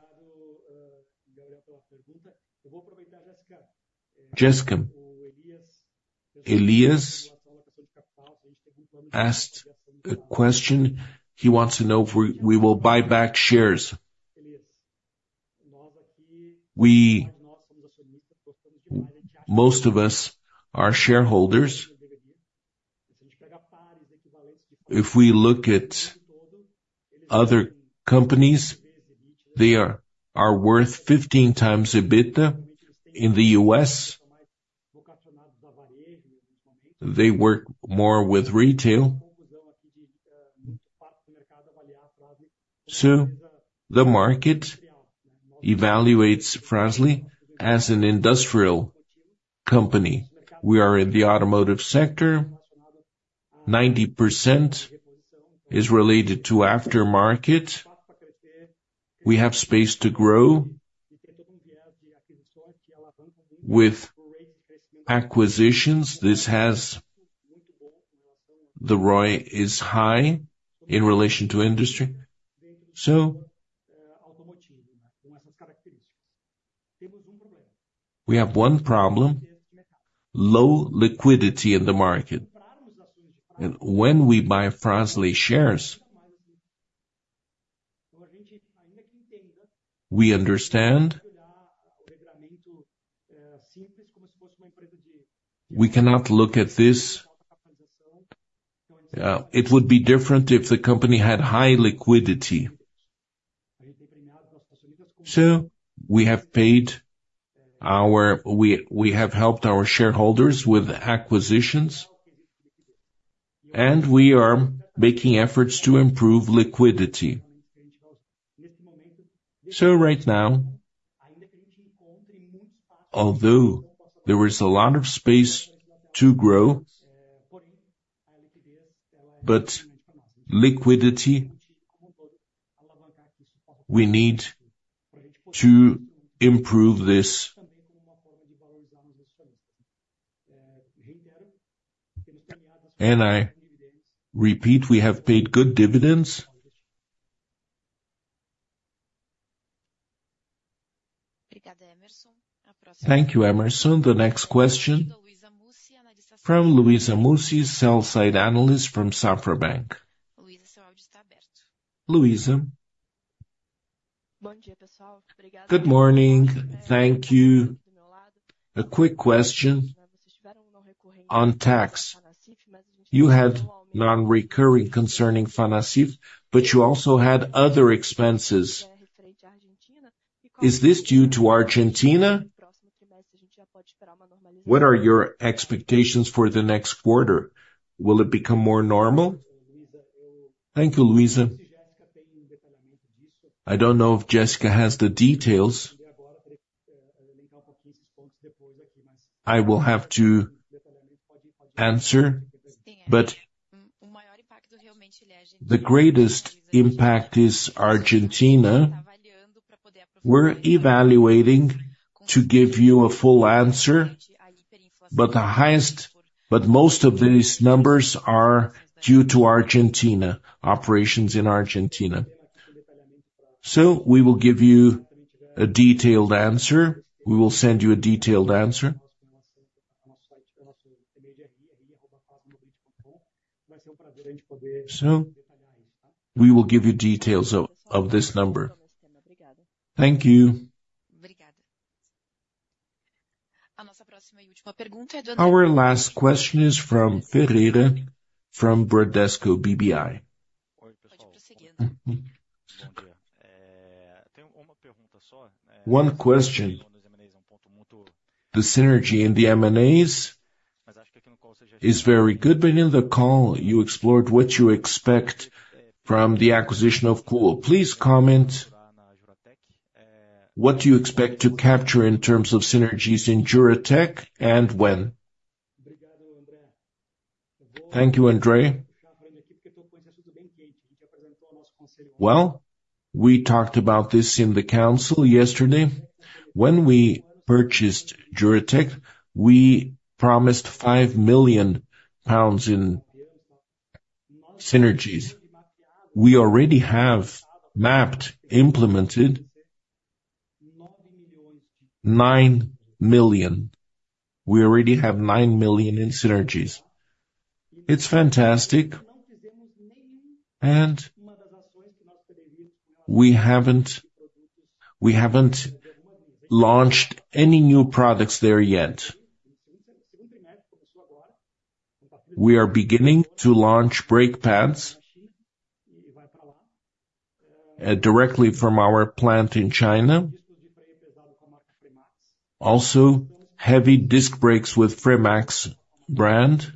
Jessica, Elias asked a question. He wants to know if we will buy back shares. We, most of us are shareholders. If we look at other companies, they are worth 15x EBITDA in the U.S. They work more with retail. So the market evaluates Frasle as an industrial company. We are in the automotive sector. 90% is related to aftermarket. We have space to grow. With acquisitions, this has the ROI is high in relation to industry, so we have one problem, low liquidity in the market. And when we buy Frasle shares, we understand, we cannot look at this, it would be different if the company had high liquidity. So we have paid our, we have helped our shareholders with acquisitions, and we are making efforts to improve liquidity. So right now, although there is a lot of space to grow, but liquidity, we need to improve this. And I repeat, we have paid good dividends. Thank you, Hemerson. The next question from Luiza Mussi, Sell-side analyst from Safra Bank. Luisa? Good morning. Thank you. A quick question on tax. You had non-recurring concerning Fanacif, but you also had other expenses. Is this due to Argentina? What are your expectations for the next quarter? Will it become more normal? Thank you, Luisa. I don't know if Jessica has the details. I will have to answer, but the greatest impact is Argentina. We're evaluating to give you a full answer, but the highest but most of these numbers are due to Argentina, operations in Argentina. So we will give you a detailed answer. We will send you a detailed answer. So we will give you details of this number. Thank you. Our last question is from André Ferreira, from Bradesco BBI. One question, the synergy in the M&A is very good, but in the call, you explored what you expect from the acquisition of KUO. Please comment, what do you expect to capture in terms of synergies in Juratek, and when? Thank you, André. Well, we talked about this in the call yesterday. When we purchased Juratek, we promised GBP 5 million in synergies. We already have mapped, implemented 9 million. We already have 9 million in synergies. It's fantastic, and we haven't, we haven't launched any new products there yet. We are beginning to launch brake pads directly from our plant in China. Also, heavy disk brakes with Fremax brand,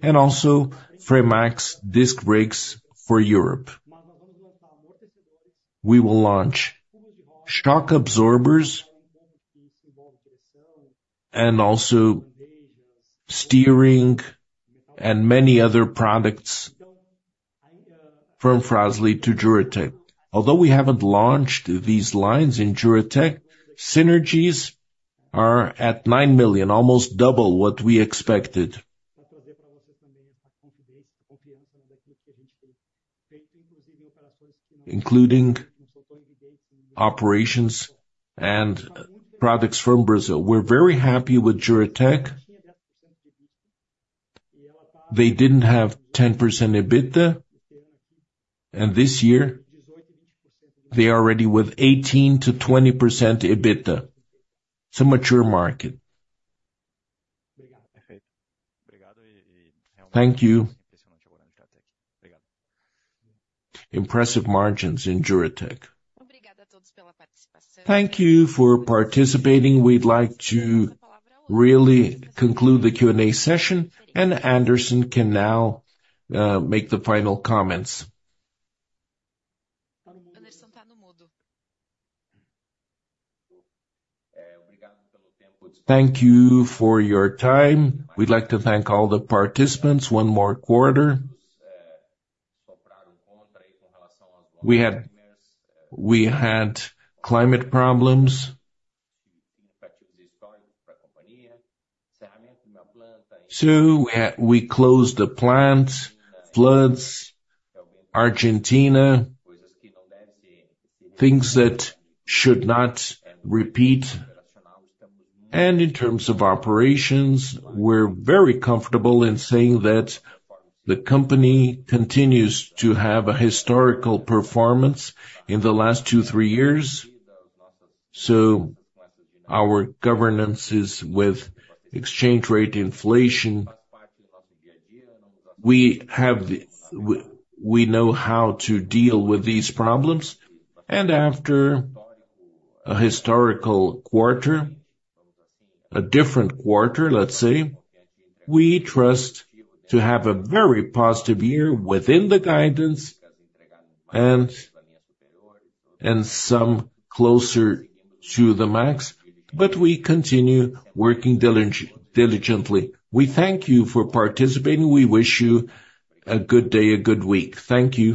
and also Fremax disk brakes for Europe, we will launch shock absorbers and also steering and many other products from Frasle to Juratek. Although we haven't launched these lines in Juratek, synergies are at 9 million, almost double what we expected. Including operations and products from Brazil. We're very happy with Juratek. They didn't have 10% EBITDA, and this year, they are already with 18%-20% EBITDA. It's a mature market. Thank you. Impressive margins in Juratek. Thank you for participating. We'd like to really conclude the Q&A session, and Anderson can now make the final comments. Thank you for your time. We'd like to thank all the participants. One more quarter. We had climate problems. So we closed the plant, floods, Argentina, things that should not repeat. And in terms of operations, we're very comfortable in saying that the company continues to have a historical performance in the last two, three years. So our governance with exchange rate inflation, we know how to deal with these problems, and after a historical quarter, a different quarter, let's say, we trust to have a very positive year within the guidance and some closer to the max. We continue working diligently. We thank you for participating. We wish you a good day, a good week. Thank you.